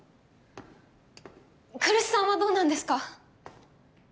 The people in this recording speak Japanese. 来栖さんはどうなんですか？